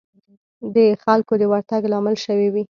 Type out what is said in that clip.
د خلکو د ورتګ لامل شوې وي.